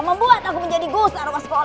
saya menjadi gusar waskol